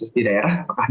di daerah apakah